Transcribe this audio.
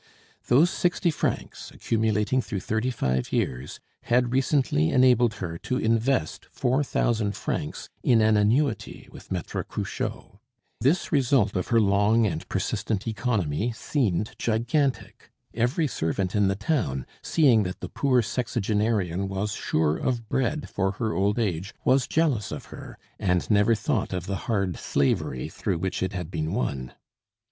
Those sixty francs, accumulating through thirty five years, had recently enabled her to invest four thousand francs in an annuity with Maitre Cruchot. This result of her long and persistent economy seemed gigantic. Every servant in the town, seeing that the poor sexagenarian was sure of bread for her old age, was jealous of her, and never thought of the hard slavery through which it had been won.